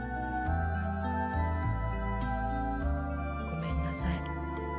ごめんなさい。